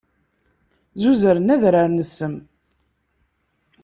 Zuzer adrar n ssem.